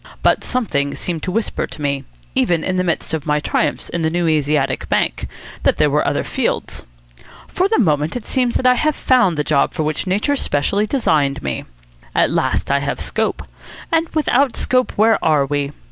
But something seemed to whisper to me, even in the midst of my triumphs in the New Asiatic Bank, that there were other fields. For the moment it seems to me that I have found the job for which nature specially designed me. At last I have Scope. And without Scope, where are we?